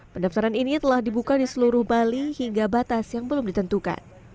pendaftaran ini telah dibuka di seluruh bali hingga batas yang belum ditentukan